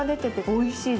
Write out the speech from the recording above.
おいしい！